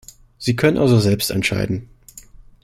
Sie können also selbst entscheiden.